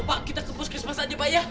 pak kita ke puskesmas aja pak ya